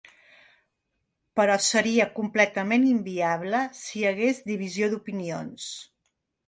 Però seria completament inviable si hi hagués divisió d’opinions.